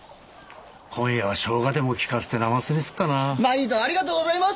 今夜はしょうがでも利かせてなますにすっかな毎度ありがとうございます！